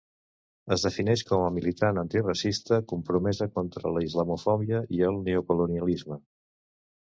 Es defineix com a militant antiracista compromesa contra la islamofòbia i el neocolonialisme.